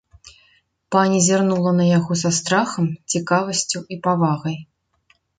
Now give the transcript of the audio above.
Пані зірнула на яго са страхам, цікавасцю і павагай.